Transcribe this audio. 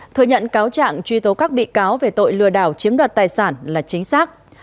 thừa nhận cáo trạng truy tố các bị cáo về tội lừa đảo chiếm đoạt tài sản là chính xác